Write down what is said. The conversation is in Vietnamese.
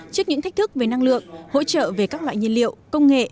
trước những thách thức về năng lượng hỗ trợ về các loại nhiên liệu công nghệ